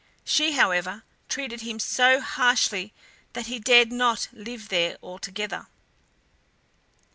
She, however, treated him so harshly that he dared not live there altogether.